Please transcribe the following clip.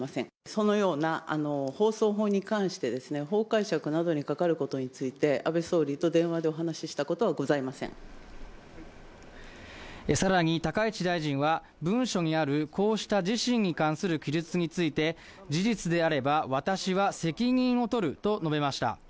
そのような放送法に関してですね、法解釈などに係ることについて、安倍総理と電話でお話ししたことさらに、高市大臣は、文書にある、こうした自身に関する記述について、事実であれば、私は責任を取ると述べました。